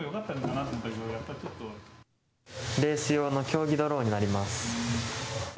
レース用の競技ドローンになります。